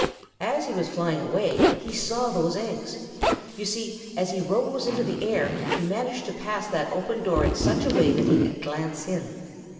As he was flying away he saw those eggs. You see, as he rose into the air, he managed to pass that open door in such a way that he could glance in.